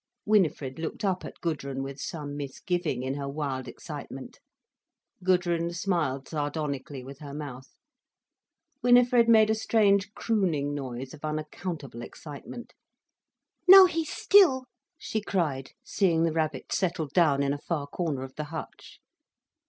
Winifred looked up at Gudrun with some misgiving in her wild excitement. Gudrun smiled sardonically with her mouth. Winifred made a strange crooning noise of unaccountable excitement. "Now he's still!" she cried, seeing the rabbit settled down in a far corner of the hutch.